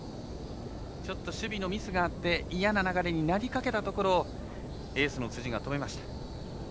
守備のミスがあって嫌な流れになりかけたところエースの辻が止めました。